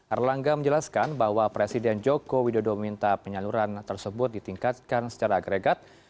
erlangga menjelaskan bahwa presiden joko widodo meminta penyaluran tersebut ditingkatkan secara agregat